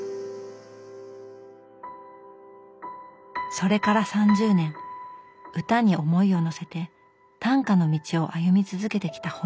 それから３０年歌に思いをのせて短歌の道を歩み続けてきた穂村さん。